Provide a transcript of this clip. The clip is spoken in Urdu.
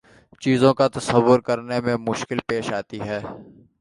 چیزوں کا تصور کرنے میں مشکل پیش آتی ہے